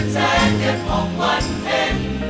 แสงเก็บของวันเห็น